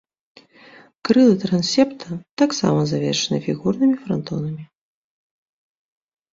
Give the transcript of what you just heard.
Крылы трансепта таксама завершаны фігурнымі франтонамі.